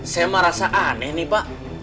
saya mah rasa aneh nih pak